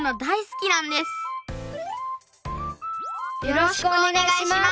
よろしくお願いします！